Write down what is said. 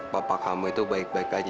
bapak kamu itu baik baik aja